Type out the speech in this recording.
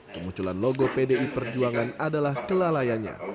kemunculan logo pdi perjuangan adalah kelalaiannya